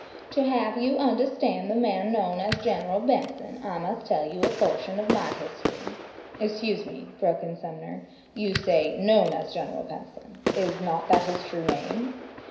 "To have you understand the man known as General Benson, I must tell you a portion of my history." "Excuse me," broke in Sumner, "you say 'known as General Benson,' is not that his true name?"